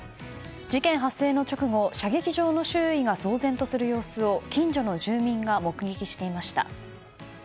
事件発生の直後射撃場の周囲が騒然とする様子を近所の住民が目撃していました。